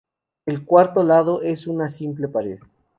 El cuarto lado es una simple pared.